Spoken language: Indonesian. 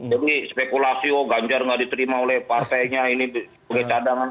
jadi spekulasi oh ganjar nggak diterima oleh pak fai nya ini sebagai cadangan